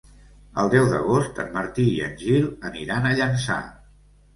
El deu d'agost en Martí i en Gil aniran a Llançà.